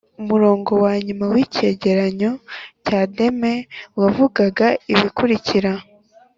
umurongo wa nyuma w'icyegeranyo cya deme wavugaga ibikurikira